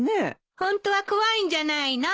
ホントは怖いんじゃないの？